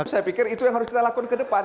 saya pikir itu yang harus kita lakukan ke depan